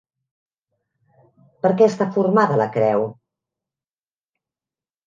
Per què està formada la creu?